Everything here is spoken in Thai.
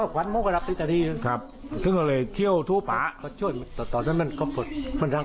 ครับก็เลยเชี่ยวทุกป่า